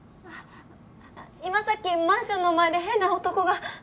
今さっきマンションの前で変な男が。